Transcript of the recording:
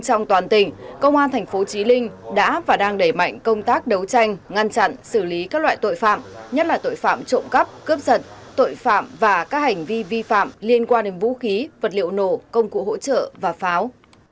trong toàn tỉnh công an thành phố trí linh đã và đang đẩy mạnh công tác đấu tranh ngăn chặn xử lý các loại tội phạm nhất là tội phạm trộm cắp cướp giật tội phạm và các hành vi vi phạm liên quan đến vũ khí vật liệu nổ công cụ hỗ trợ và pháo